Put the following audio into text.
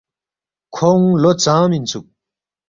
کھونگ لو ژام اِنسُوک